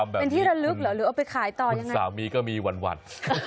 เป็นที่ระลึกเหรอหรือเอาไปขายต่อยังไงสามีก็มีวัน